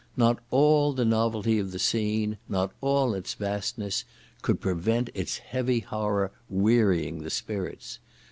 Not all the novelty of the scene, not all its vastness, could prevent its heavy horror wearying the spirits.